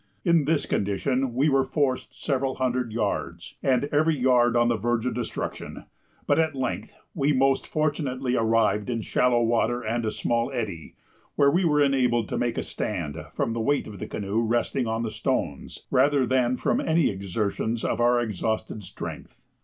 In this condition we were forced several hundred yards, and every yard on the verge of destruction; but, at length, we most fortunately arrived in shallow water and a small eddy, where we were enabled to make a stand, from the weight of the canoe resting on the stones, rather than from any exertions of our exhausted strength.